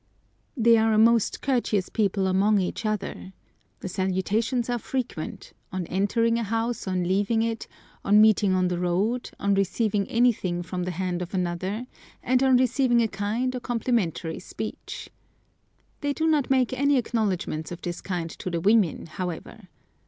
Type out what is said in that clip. They are a most courteous people among each other. The salutations are frequent—on entering a house, on leaving it, on meeting on the road, on receiving anything from the hand of another, and on receiving a kind or complimentary speech. They do not make any acknowledgments of this kind to the women, however.